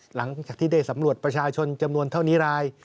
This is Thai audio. หลังจากที่ได้สำรวจประชาชนจำนวนเท่านี้ราย